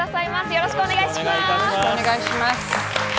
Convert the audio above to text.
よろしくお願いします。